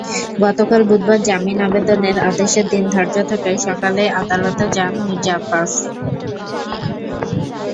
গতকাল বুধবার জামিন আবেদনের আদেশের দিন ধার্য থাকায় সকালেই আদালতে যান মির্জা আব্বাস।